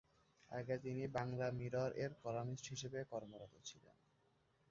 তার আগে তিনি "বাংলা মিরর"-এর কলামিস্ট হিসেবে কর্মরত ছিলেন।